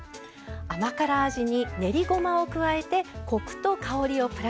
甘辛味に練りごまを加えてコクと香りをプラス。